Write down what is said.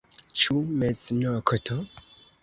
Ĉu meznokto?